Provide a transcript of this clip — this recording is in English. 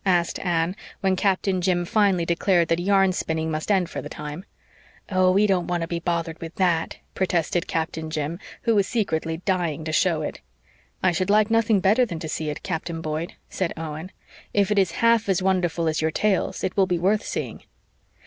asked Anne, when Captain Jim finally declared that yarn spinning must end for the time. "Oh, he don't want to be bothered with THAT," protested Captain Jim, who was secretly dying to show it. "I should like nothing better than to see it, Captain Boyd," said Owen. "If it is half as wonderful as your tales it will be worth seeing."